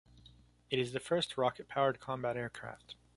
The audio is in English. It is the first rocket powered combat aircraft.